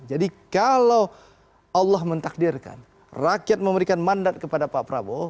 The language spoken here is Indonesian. jadi kalau allah mentakdirkan rakyat memberikan mandat kepada pak prabowo